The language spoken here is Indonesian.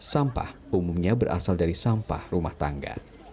sampah umumnya berasal dari sampah rumah tangga